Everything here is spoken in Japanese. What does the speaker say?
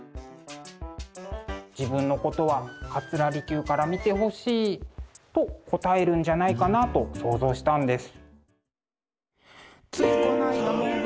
自分のことは桂離宮から見てほしいと答えるんじゃないかなと想像したんです。